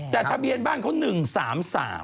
แต่ทะเบียนบ้านเขา๑๓๓